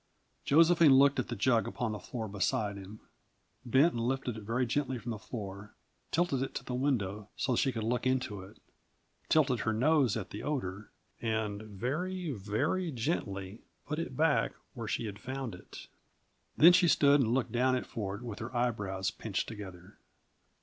Josephine looked at the jug upon the floor beside him, bent and lifted it very gently from the floor; tilted it to the window so that she could look into it, tilted her nose at the odor, and very, very gently put it back where she had found it. Then she stood and looked down at Ford with her eyebrows pinched together.